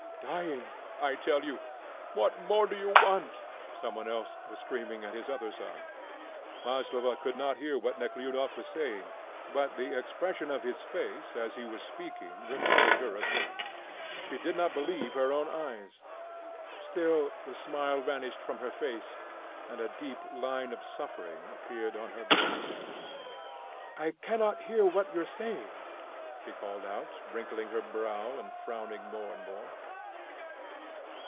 "Dying, I tell you; what more do you want?" some one else was screaming at his other side. Maslova could not hear what Nekhludoff was saying, but the expression of his face as he was speaking reminded her of him. She did not believe her own eyes; still the smile vanished from her face and a deep line of suffering appeared on her brow. "I cannot hear what you are saying," she called out, wrinkling her brow and frowning more and more.